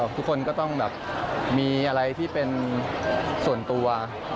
ทุกคนก็ต้องแบบมีอะไรที่เป็นส่วนตัว